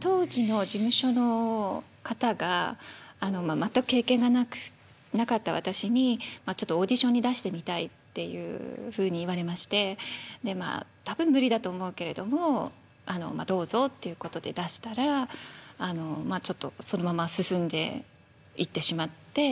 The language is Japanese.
当時の事務所の方が全く経験がなかった私にちょっとオーディションに出してみたいっていうふうに言われましてまあ多分無理だと思うけれどもどうぞってことで出したらちょっとそのまま進んでいってしまって。